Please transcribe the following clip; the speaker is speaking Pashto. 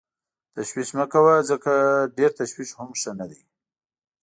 تشویش مه کوه ځکه ډېر تشویش هم ښه نه دی.